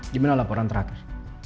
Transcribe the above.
gimana laporan terakhir